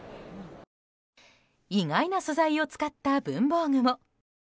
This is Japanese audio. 意外な素材を使った文房具も。